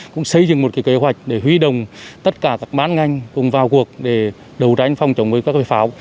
cũng xây dựng một kế hoạch để huy động tất cả các bán ngành cùng vào cuộc để đấu tranh phòng chống với các tội pháo